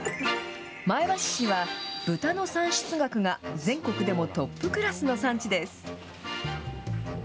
前橋市は、豚の産出額が全国でもトップクラスの産地です。